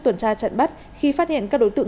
tuần tra chặn bắt khi phát hiện các đối tượng